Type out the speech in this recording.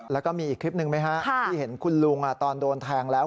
แล้วก็มีอีกคลิปหนึ่งไหมฮะที่เห็นคุณลุงตอนโดนแทงแล้ว